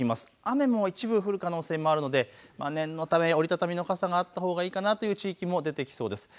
雨も一部降る可能性があるので念のため折り畳みの傘があったほうがいいかなという地域も出てきそうです。